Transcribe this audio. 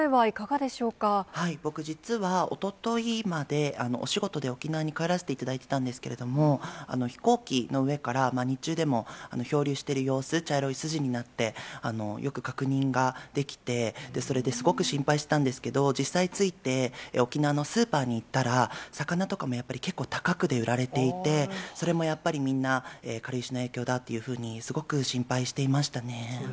僕、実はおとといまで、お仕事で沖縄に帰らせていただいていたんですけれども、飛行機の上から日中でも、漂流してる様子、茶色い筋になって、よく確認ができて、それですごく心配してたんですけど、実際、着いて、沖縄のスーパーに行ったら、魚とかもやっぱり結構高くて売られていて、それもやっぱり、みんな軽石の影響だっていうふうに、すごく心配していましたね。